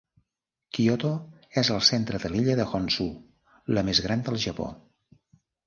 Kyoto és al centre de l'illa de Honshu, la més gran del Japó.